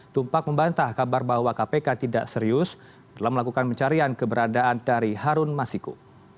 tumpak membantah kabar bahwa kpk tidak serius dalam melakukan pencarian keberadaan dari harun masiku